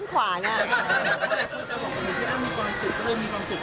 ก็คือพี่ที่อยู่เชียงใหม่พี่อธค่ะ